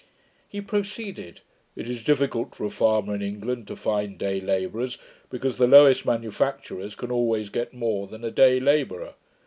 He proceeded: 'It is difficult for a farmer in England to find day labourers, because the lowest manufacturers can always get more than a day labourer.